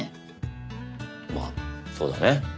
まあそうだね。